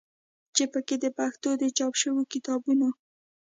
چې په کې د پښتو د چاپ شوي کتابونو